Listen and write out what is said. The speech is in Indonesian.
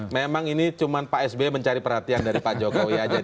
memang ini cuma pak sby mencari perhatian dari pak jokowi aja